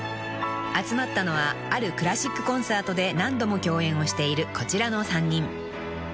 ［集まったのはあるクラシックコンサートで何度も共演をしているこちらの３人］